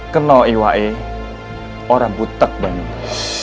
kena iwae orang butaq bernama